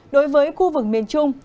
đối với khu vực miền trung